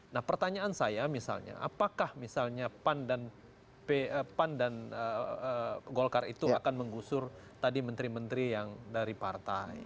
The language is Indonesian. nah pertanyaan saya misalnya apakah misalnya pan dan golkar itu akan menggusur tadi menteri menteri yang dari partai